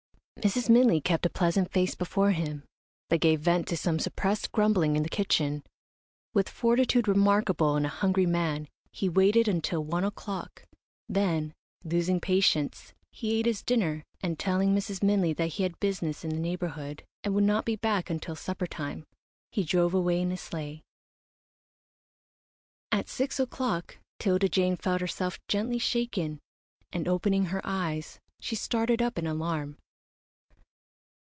Mrs. Minley kept a pleasant face before him, but gave vent to some suppressed grumbling in the kitchen. With fortitude remarkable in a hungry man, he waited until one o'clock, then, losing patience, he ate his dinner, and, telling Mrs. Minley that he had business in the neighbourhood, and would not be back until supper time, he drove away in his sleigh. At six o'clock 'Tilda Jane felt herself gently shaken, and opening her eyes, she started up in alarm.